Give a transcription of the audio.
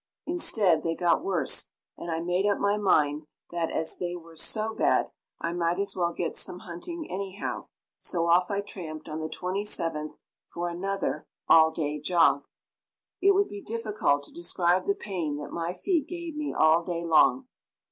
Instead they got worse, and I made up my mind that, as they were so bad, I might as well get some hunting anyhow, so off I tramped on the 27th for another all day jog. It would be difficult to describe the pain that my feet gave me all day long.